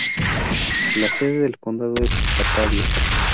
La sede del condado es Batavia.